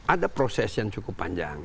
ada proses yang cukup panjang